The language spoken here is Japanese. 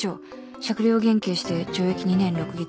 酌量減軽して懲役２年６月